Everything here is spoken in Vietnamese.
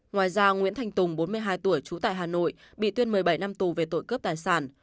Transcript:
ngoài ra nguyễn thanh tùng bốn mươi hai tuổi trú tại hà nội bị tuyên một mươi bảy năm tù về tội cướp tài sản